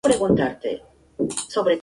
Distribuida por toda Europa.